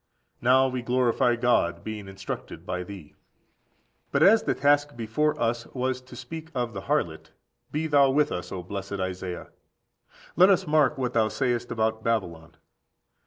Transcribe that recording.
Now we glorify God, being instructed by thee. 34. But as the task before us was to speak of the harlot, be thou with us, O blessed Isaiah. 211Let us mark what thou sayest about Babylon.